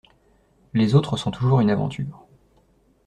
Les autres sont toujours une aventure.